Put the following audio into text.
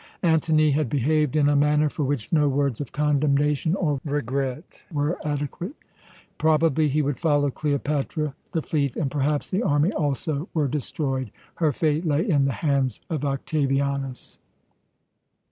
Antony had behaved in a manner for which no words of condemnation or regret were adequate. Probably he would follow Cleopatra; the fleet, and perhaps the army also, were destroyed. Her fate lay in the hands of Octavianus.